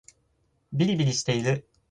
びりびりしてる